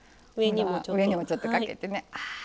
上にもちょっとかけてね。